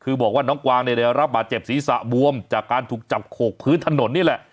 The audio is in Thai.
คือบอกว่าน้องกวางเนี่ยได้รับบาดเจ็บศีรษะบวมจากการถูกจับโขกพื้นถนนนี่แหละ